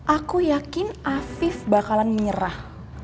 aku yakin afif bakalan menyerah